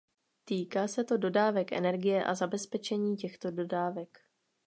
Týká se to dodávek energie a zabezpečení těchto dodávek.